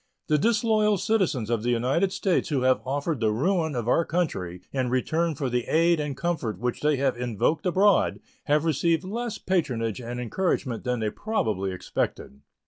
The disloyal citizens of the United States who have offered the ruin of our country in return for the aid and comfort which they have invoked abroad have received less patronage and encouragement than they probably expected.